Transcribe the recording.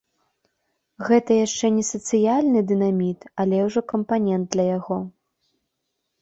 Гэта яшчэ не сацыяльны дынаміт, але ўжо кампанент для яго.